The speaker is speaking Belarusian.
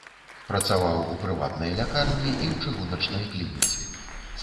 Працаваў у прыватнай лякарні і ў чыгуначнай клініцы.